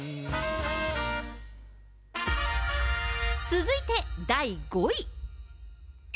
続いて第５位。